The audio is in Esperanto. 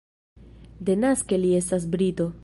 Denaske li estas brito.